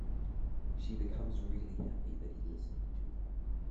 She becomes really happy that he listened to her.